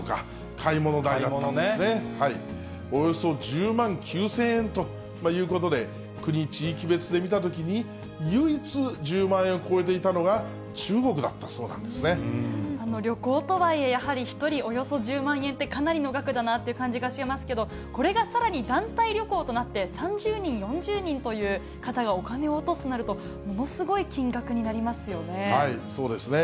買い物代ですね、およそ１０万９０００円ということで、国・地域別で見たときに唯一１０万円を超えていたのが中国だった旅行とはいえ、やはり１人およそ１０万円ってかなりの額だなっていう感じがしますけど、これがさらに団体旅行となって、３０人、４０人という方がお金を落とすとなると、ものすごい金額になりまそうですね。